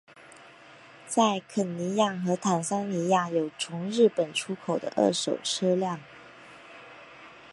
在肯尼亚和坦桑尼亚有从日本出口的二手车辆。